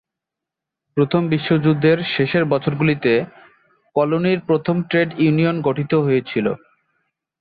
প্রথম বিশ্বযুদ্ধের শেষের বছরগুলিতে, কলোনির প্রথম ট্রেড ইউনিয়ন গঠিত হয়েছিল।